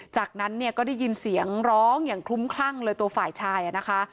จากนั้นเนี่ยก็ได้ยินเสียงร้องอย่างคลุ้มคลั่งเลยตัวฝ่ายชายนะคะ